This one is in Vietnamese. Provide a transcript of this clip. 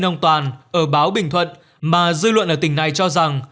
tên ông toàn ở báo bình thuận mà dư luận ở tỉnh này cho rằng